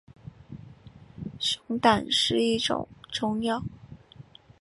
熊胆是一种中药。